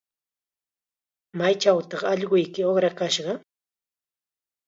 ¿Maychawtaq allquyki uqrakashqa?